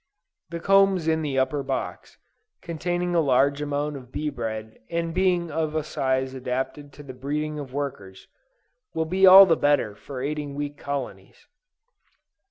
The combs in the upper box, containing a large amount of bee bread and being of a size adapted to the breeding of workers, will be all the better for aiding weak colonies.